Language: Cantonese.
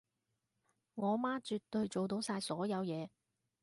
我媽絕對做到晒所有嘢